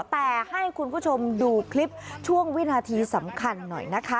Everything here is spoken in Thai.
แต่ให้คุณผู้ชมดูคลิปช่วงวินาทีสำคัญหน่อยนะคะ